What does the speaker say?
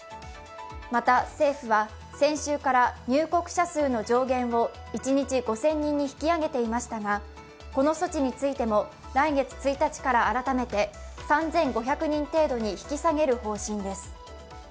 また政府は先週から入国者数の上限を一日５０００人に引き上げていましたがこの措置についても来月１日から改めて、３５００人程度に引き下げる方針です。